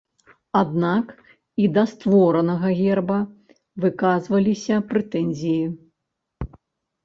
Аднак і да створанага герба выказваліся прэтэнзіі.